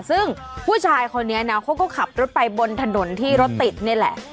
ซึ่งผู้ชายคนนี้นะเขาก็ขับรถไปบนถนนที่รถติดนี่แหละ